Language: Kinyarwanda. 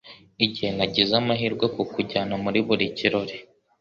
Igihe nagize amahirwe Kukujyana muri buri kirori